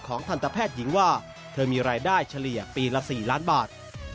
ทันตแพทย์หญิงว่าเธอมีรายได้เฉลี่ยปีละ๔ล้านบาท